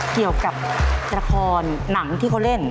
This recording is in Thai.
เกี่ยวกับละครหนังที่เขาเล่น